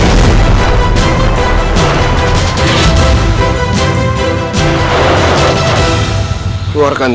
ini adalah otob lehr weasley